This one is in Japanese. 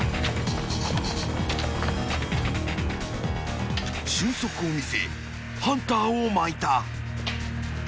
［俊足を見せハンターをまいた］